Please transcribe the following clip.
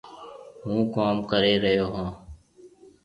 هُون ڪوم ڪري ريو هون۔